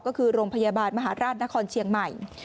ก็คือโรงพยาบาลมหาราชนครเชียงใหม่